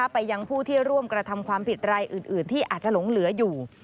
ไปยังผู้ที่ร่วมกระทำความผิดรายอื่นที่อาจจะหลงเหลืออยู่